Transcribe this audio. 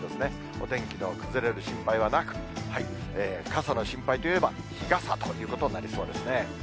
お天気の崩れる心配はなく、傘の心配といえば、日傘ということになりそうですね。